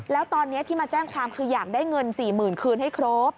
แล้วตอนนี้ที่มาแจ้งความคืออยากได้เงิน๔๐๐๐คืนให้ครบ